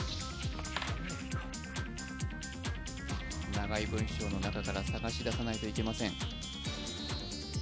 長い文章の中から探し出さないといけません。